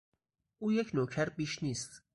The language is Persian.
او یک نوکر بیش نیست.